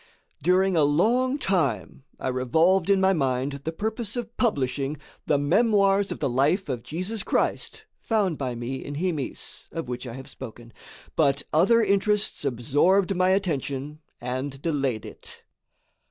During a long time I revolved in my mind the purpose of publishing the memoirs of the life of Jesus Christ found by me in Himis, of which I have spoken, but other interests absorbed my attention and delayed it.